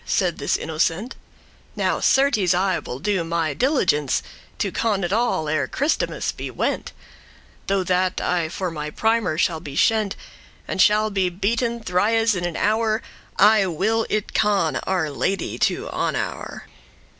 said this innocent; Now certes I will do my diligence To conne* it all, ere Christemas be went; *learn; con Though that I for my primer shall be shent,* *disgraced And shall be beaten thries in an hour, I will it conne, our Lady to honour."